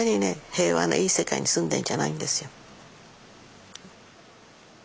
平和ないい世界に住んでんじゃないんですよ。